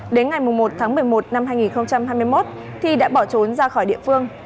đến ngày một tháng một mươi một năm hai nghìn hai mươi một thi đã bỏ trốn ra khỏi địa phương